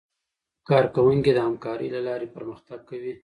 کارکوونکي د همکارۍ له لارې پرمختګ کوي